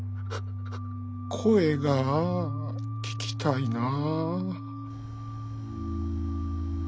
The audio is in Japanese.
君の声が聞きたいなあ。